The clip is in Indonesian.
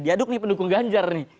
diaduk nih pendukung ganjar nih